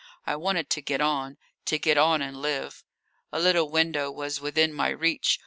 I wanted to get on to get on and live. A little window was within my reach.